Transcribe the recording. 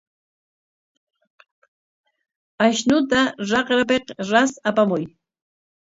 Ashnuta raqrapik ras apamuy.